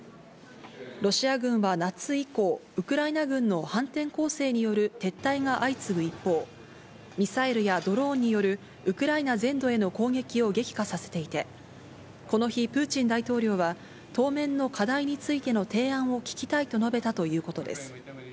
ロシア軍は夏以降、ウクライナ軍の反転攻勢による撤退が相次ぐ一方、ミサイルやドローンによるウクライナ全土への攻撃を激化させていて、この日、プーチン大統領は、当面の課題についての提案を聞きたいと述べたということです。